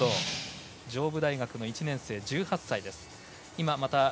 上武大学の１年生１８歳です。